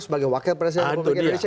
sebagai wakil presiden